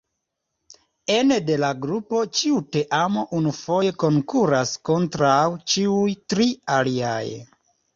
Ene de la grupo ĉiu teamo unufoje konkuras kontraŭ ĉiuj tri aliaj.